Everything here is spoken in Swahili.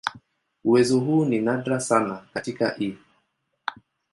Uwezo huu ni nadra sana katika "E.